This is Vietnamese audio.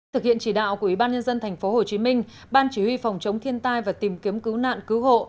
thực hiện chỉ đạo của ủy ban nhân dân tp hcm ban chỉ huy phòng chống thiên tai và tìm kiếm cứu nạn cứu hộ